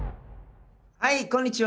はいこんにちは。